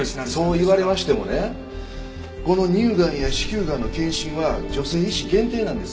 そう言われましてもねこの乳がんや子宮がんの検診は女性医師限定なんですよ。